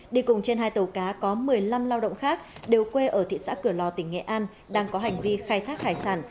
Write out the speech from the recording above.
đi cùng trên hai tàu cá có một mươi năm lao động khác đều quê ở thị xã cửa lò tỉnh nghệ an đang có hành vi khai thác hải sản